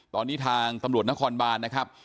ตอนนี้ทางตำรวจนครบานนะครับ